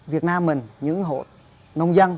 việt nam mình những hộp nông nghiệp